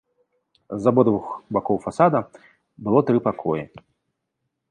З абодвух бакоў фасада было тры пакоі.